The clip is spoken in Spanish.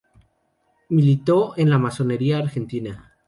Militó en la Masonería Argentina.